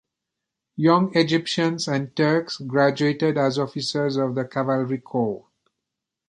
Young Egyptians and Turks graduated as officers of the Cavalry Corps.